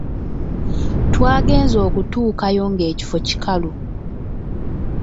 Twagenze okutuukayo nga ekifo kikalu!